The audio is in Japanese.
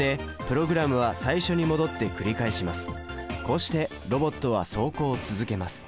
こうしてロボットは走行を続けます。